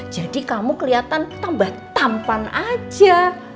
jadi kamu kelihatan tambah tampan aja